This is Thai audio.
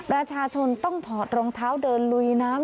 ประชาชนต้องถอดรองเท้าเดินลุยน้ำ